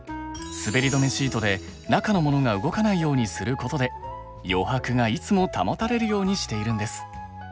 滑り止めシートで中のモノが動かないようにすることで余白がいつも保たれるようにしているんです。